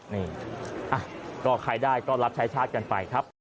นี่ก็ใครได้ก็รับใช้ชาติกันไปครับ